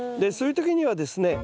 そういう時にはですね